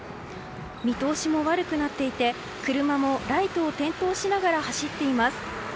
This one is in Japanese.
見通しも悪くなっていて車もライトを点灯しながら走っています。